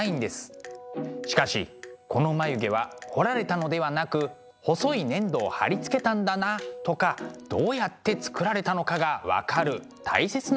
しかしこの眉毛は彫られたのではなく細い粘土を貼り付けたんだなとかどうやって作られたのかが分かる大切な資料でもあるんです。